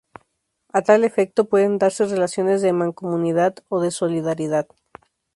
A tal efecto, pueden darse relaciones de mancomunidad o de solidaridad.